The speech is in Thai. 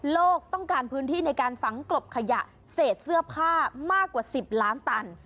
ต้องการพื้นที่ในการฝังกลบขยะเศษเสื้อผ้ามากกว่า๑๐ล้านตัน